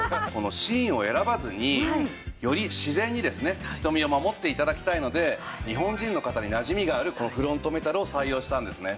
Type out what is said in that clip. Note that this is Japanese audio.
シーンを選ばずにより自然にですね瞳を守って頂きたいので日本人の方になじみがあるこのフロントメタルを採用したんですね。